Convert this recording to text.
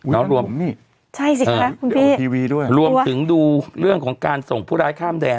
ของผมนี่ใช่สิคะโอพิวีด้วยงั้นรวมถึงดูเรื่องของการส่งผู้ร้ายข้ามแดน